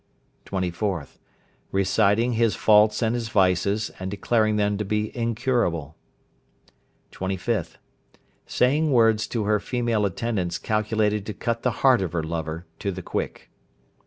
24th. Reciting his faults and his vices, and declaring them to be incurable. 25th. Saying words to her female attendants calculated to cut the heart of her lover to the quick.